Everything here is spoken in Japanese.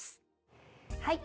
はい。